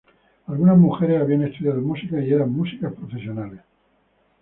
Algunas mujeres habían estudiado música y eran músicas profesionales.